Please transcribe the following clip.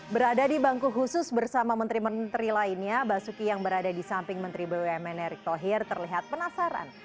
berada di bangku khusus bersama menteri menteri lainnya basuki yang berada di samping menteri bumn erick thohir terlihat penasaran